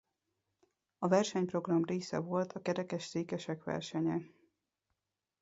A versenyprogram része volt a kerekesszékesek versenye.